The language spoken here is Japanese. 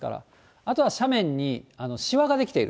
あとは斜面にしわが出来ている。